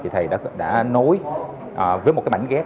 thầy đã nối với một cái mảnh ghép